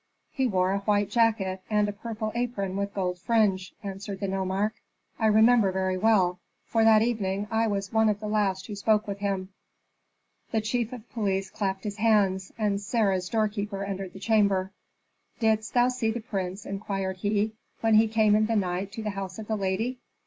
"He wore a white jacket, and a purple apron with gold fringe," answered the nomarch. "I remember very well, for that evening I was one of the last who spoke with him." The chief of the police clapped his hands, and Sarah's doorkeeper entered the chamber. "Didst thou see the prince," inquired he, "when he came in the night to the house of thy lady?"